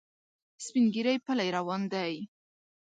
سپین ږیری پلی روان دی.